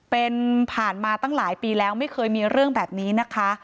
เป็นผ่านมาตั้งหลายปีแล้วไม่เคยมีเรื่องแบบนี้นะคะ